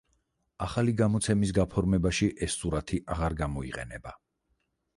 ახალი გამოცემის გაფორმებაში ეს სურათი აღარ გამოიყენება.